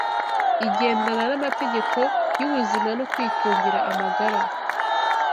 igendana n’amategeko y’ubuzima no kwitungira amagara.